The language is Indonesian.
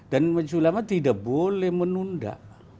dan maju sulamah tidak boleh menunda